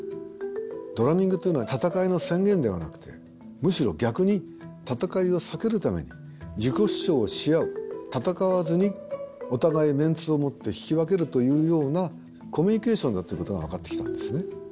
ドラミングというのは戦いの宣言ではなくてむしろ逆に戦いを避けるために自己主張し合う戦わずにお互いメンツをもって引き分けるというようなコミュニケーションだっていうことが分かってきたんですね。